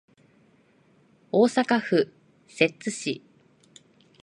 大阪府摂津市